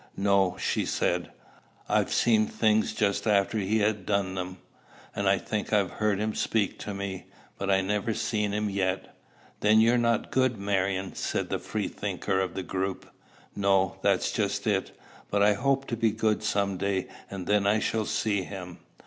"No," she said. "I've seen things just after he had done them; and I think I've heard him speak to me; but I've never seen him yet." "Then you're not good, Marion," said the free thinker of the group. "No: that's just it. But I hope to be good some day, and then I shall see him."